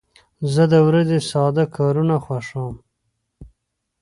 زه د ورځې ساده کارونه خوښوم.